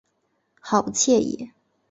好不惬意